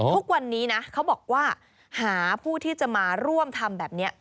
ทุกวันนี้นะเขาบอกว่าหาผู้ที่จะมาร่วมทำแบบนี้